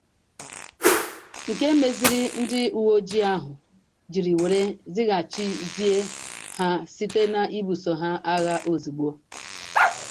nke mezịrị ndị uweojii ahụ jiri wee zaghachizie ha site n'ibusò ha agha ozigbo